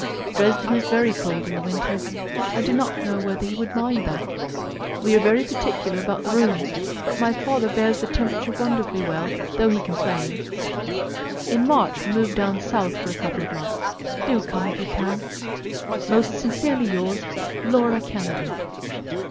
Dresden is very cold in the winter. I do not know whether you would mind that. We are very particular about the rooms, but my father bears the temperature wonderfully well, though he complains. In March we move down south for a couple of months. Do come if you can. Most sincerely yours, LAURA KENNEDY.